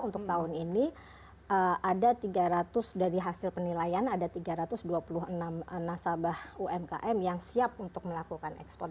untuk tahun ini ada tiga ratus dari hasil penilaian ada tiga ratus dua puluh enam nasabah umkm yang siap untuk melakukan ekspor